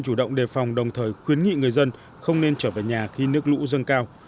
chủ động đề phòng đồng thời khuyến nghị người dân không nên trở về nhà khi nước lũ dâng cao